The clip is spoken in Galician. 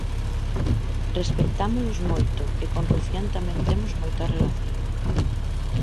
Respectámolos moito e con Rufián tamén temos moita relación.